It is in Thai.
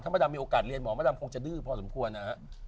มาดำมีโอกาสเรียนหมอมาดำคงจะดื้อพอสมควรนะฮะ